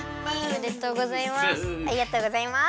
おめでとうございます。